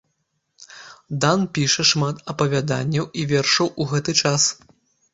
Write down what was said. Дан піша шмат апавяданняў і вершаў у гэты час.